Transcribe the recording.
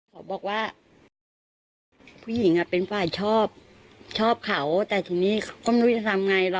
เขาบอกว่าผู้หญิงเป็นฝ่ายชอบชอบเขาแต่ทีนี้ก็ไม่รู้จะทำไงหรอก